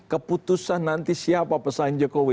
keputusan nanti siapa pesaing jokowi